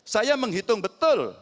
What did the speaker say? saya menghitung betul